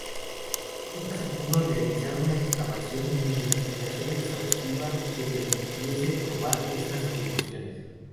Nunca se pudo realizar una excavación, ni investigación exhaustiva, que permitiese probar estas afirmaciones.